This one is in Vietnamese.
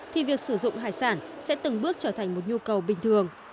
thì việc sử dụng hải sản sẽ từng bước trở thành một nhu cầu bình thường